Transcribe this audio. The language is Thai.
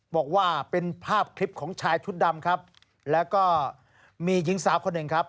บอกว่าเป็นภาพคลิปของชายชุดดำครับแล้วก็มีหญิงสาวคนหนึ่งครับ